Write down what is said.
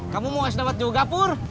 kamu mau es dapat juga pur